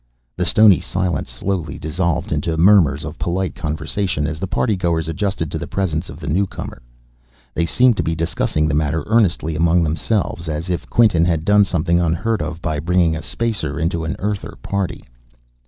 The stony silence slowly dissolved into murmurs of polite conversation as the party goers adjusted to the presence of the newcomer. They seemed to be discussing the matter earnestly among themselves, as if Quinton had done something unheard of by bringing a Spacer into an Earther party.